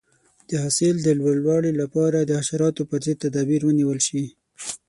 د حاصل د لوړوالي لپاره د حشراتو پر ضد تدابیر ونیول شي.